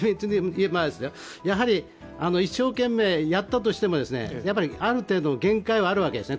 一生懸命やったとしてもある程度限界はあるわけです。